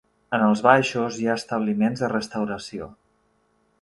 En els baixos hi ha establiments de restauració.